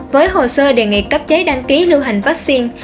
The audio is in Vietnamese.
với hồ sơ đề nghị cấp giấy đăng ký lưu hành vaccine